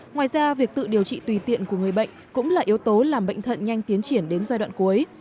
ngoài ra việc tự điều trị tùy tiện của người bệnh cũng là yếu tố làm bệnh thận nhanh tiến triển đến giai đoạn cuối